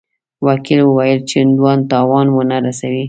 وکیل وویل چې هندوان تاوان ونه رسوي.